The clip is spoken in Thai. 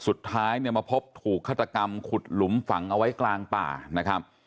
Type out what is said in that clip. สุดท้ายเนี่ยมาพบถูกฆาตกรรมขุดหลุมฝังเอาไว้กลางป่านะครับ